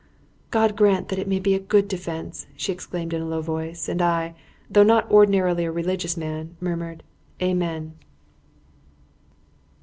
"God grant that it may be a good defence," she exclaimed in a low voice; and I though not ordinarily a religious man murmured "Amen!"